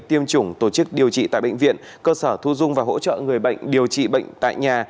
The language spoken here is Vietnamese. tiêm chủng tổ chức điều trị tại bệnh viện cơ sở thu dung và hỗ trợ người bệnh điều trị bệnh tại nhà